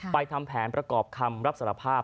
ทำแผนประกอบคำรับสารภาพ